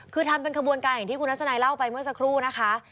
คือทำเป็นขบวนการอย่างที่คุณทัศนายเล่าไปเมื่อสักครู่นะคะ